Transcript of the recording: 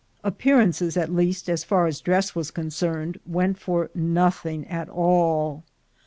Appearances, at least as far as dress was concerned, went for nothing at all.